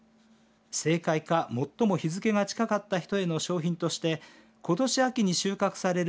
正解か最も日付が近かった人への賞品としてことし秋に収穫される